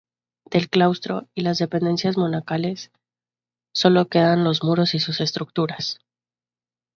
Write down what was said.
Del claustro y las dependencias monacales solo quedan los muros y sus estructuras.